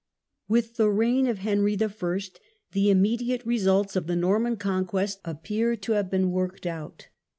With the reign of Henry I. the immediate results of the Norman Conquest appeared to have been worked out.